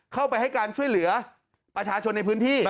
เข้าไปให้การช่วยเหลือประชาชนในพื้นที่